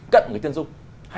cận với chân dung